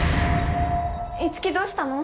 樹どうしたの？